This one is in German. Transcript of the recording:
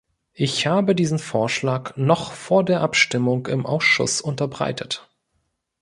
Ich habe diesen Vorschlag noch vor der Abstimmung im Ausschuss unterbreitet.